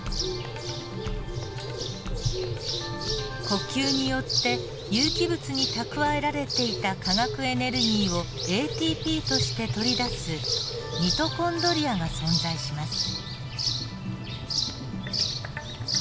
呼吸によって有機物に蓄えられていた化学エネルギーをＡＴＰとして取り出すミトコンドリアが存在します。